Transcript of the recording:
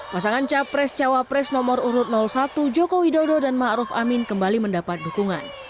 pasangan capres cawapres nomor urut satu joko widodo dan ma'ruf amin kembali mendapat dukungan